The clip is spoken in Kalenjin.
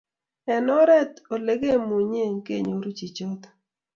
Eng' oret ne olekemuchi kenyoru chichotok?